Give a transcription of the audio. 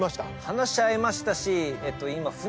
話合いましたし。